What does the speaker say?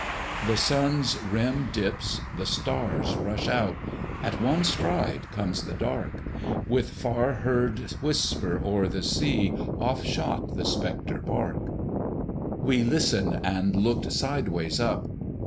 The Sun's rim dips; the stars rush out: At one stride comes the dark; With far heard whisper, o'er the sea. Off shot the spectre bark. We listened and looked sideways up!